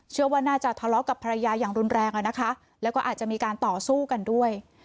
เชื่อว่าน่าจะทะเลาะกับภรรยาอย่างรุนแรงอ่ะนะคะแล้วก็อาจจะมีการต่อสู้กันด้วย